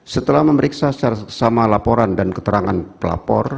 setelah memeriksa secara sama laporan dan keterangan pelapor